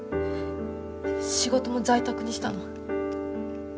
仕事も在宅にしたの。